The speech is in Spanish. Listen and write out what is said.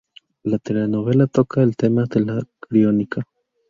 La telenovela toca el tema de la criónica.